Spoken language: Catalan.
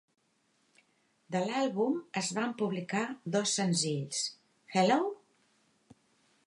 De l'àlbum es van publicar dos senzills: Hello?